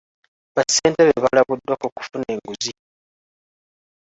Bassentebe baalabuddwa ku kufuna enguzi.